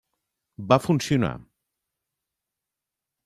Va funcionar.